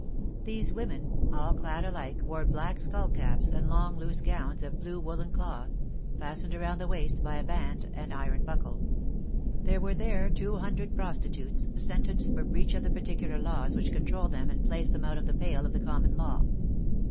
These women, all clad alike, wore black skull caps and long loose gowns of blue woollen cloth, fastened around the waist by a band and iron buckle. There were there two hundred prostitutes, sentenced for breach of the particular laws which control them and place them out of the pale of the common law.